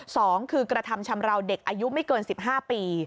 สองคือกระทำชำราวเด็กอายุไม่เกินสิบห้าปี